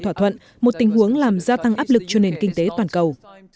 thỏa thuận một tình huống làm gia tăng áp lực cho nền kinh tế toàn cầu